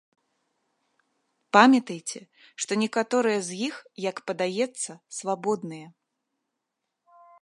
Памятайце, што некаторыя з іх, як падаецца, свабодныя!